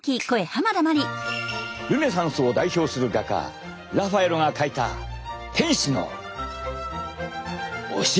ルネサンスを代表する画家ラファエロが描いた天使のお尻。